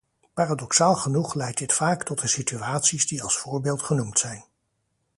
Paradoxaal genoeg leidt dit vaak tot de situaties die als voorbeeld genoemd zijn.